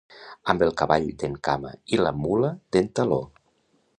Amb el cavall d'en Cama i la mula d'en Taló.